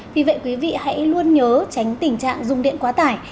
vì vậy quý vị hãy luôn nhớ tránh tình trạng dùng điện quá tải